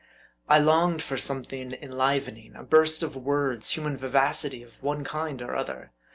I longed for something enlivening ; a burst of words ; human vivacity of one kind or other.